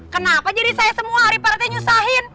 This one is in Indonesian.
kenapa jadi saya semua hari pak rete nyusahin